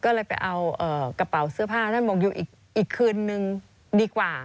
ก็เลยไปเอากระเป๋าเสื้อผ้าท่านบอกอยู่อีกคืนนึงดีกว่า